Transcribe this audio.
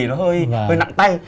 nó hơi nặng tay